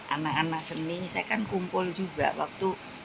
anak anak seni saya kan kumpul juga waktu